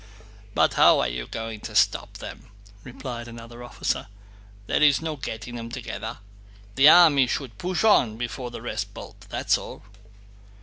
"But how are you going to stop them?" replied another officer. "There is no getting them together. The army should push on before the rest bolt, that's all!"